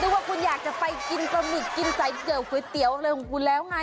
ก็นึกว่าคุณอยากจะไปกินกะหมิกินสายเดี่ยวข้วยเตี๋ยวอะไรของคุณแล้วไง